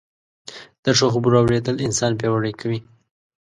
د ښو خبرو اورېدل انسان پياوړی کوي